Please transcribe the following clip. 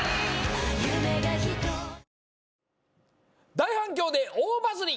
大反響で大バズり！